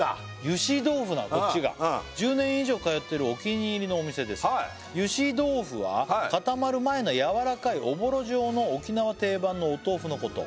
ゆし豆腐だこっちが１０年以上通ってるお気に入りのお店ですゆし豆腐は固まる前のやわらかいおぼろ状の沖縄定番のお豆腐のこと